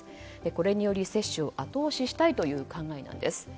これにより接種を後押ししたい考えなんです。